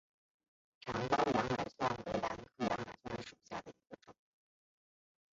长苞羊耳蒜为兰科羊耳蒜属下的一个种。